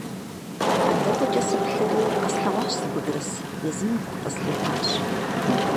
АдэӀуэкӀэ сыплъэри къэслъэгъуащ зы бгырыс, езыми гу къыслъитащ.